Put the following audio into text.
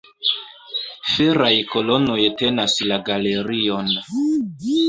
Feraj kolonoj tenas la galerion.